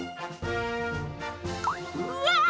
うわ！